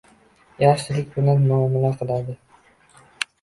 Yaxshilik bilan muomala qiladi.